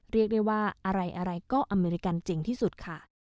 เรียกได้ว่าอะไรอะไรก็อเมริกันจริงที่สุดค่ะ